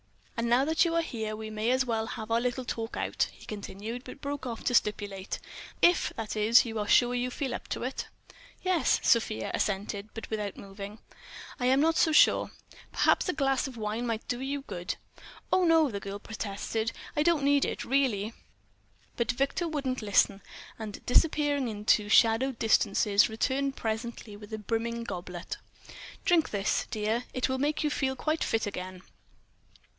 "And now that you are here, we may as well have our little talk out," he continued, but broke off to stipulate: "If, that is, you are sure you feel up to it?" "Yes," Sofia assented, but without moving. "I am not so sure. Perhaps a glass of wine might do you good." "Oh, no!" the girl protested—"I don't need it, really." But Victor wouldn't listen; and disappearing into shadowed distances, returned presently with a brimming goblet. "Drink this, dear. It will make you feel quite fit again."